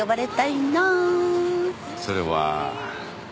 それは。